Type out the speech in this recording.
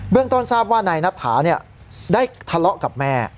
ต้นทราบว่านายนัทถาได้ทะเลาะกับแม่